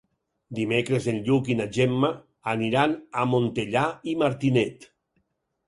Dimecres en Lluc i na Gemma aniran a Montellà i Martinet.